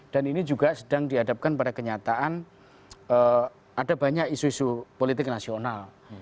dan ini juga sedang dihadapkan pada kenyataan ada banyak isu isu politik nasional